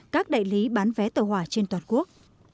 các đại lý bán vé tàu hỏa trên toàn quốc